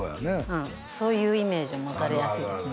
うんそういうイメージを持たれやすいですね